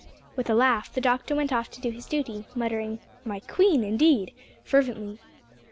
With a laugh the doctor went off to do his duty, muttering, "My queen, indeed!" fervently.